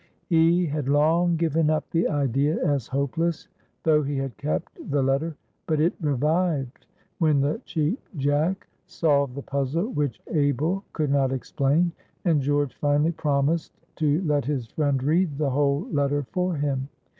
He had long given up the idea as hopeless, though he had kept the letter, but it revived when the Cheap Jack solved the puzzle which Abel could not explain, and George finally promised to let his friend read the whole letter for him.